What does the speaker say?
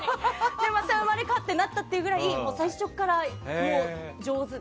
でも、また生まれ変わってなったっていうくらい最初から上手で。